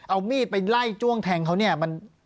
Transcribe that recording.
เอามีดไปไล่จ้วงแทงเขาเนี่ย